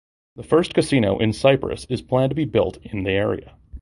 The first casino in Cyprus is planned to be built in the area.